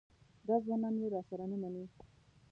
دا ځوانان یې راسره نه مني.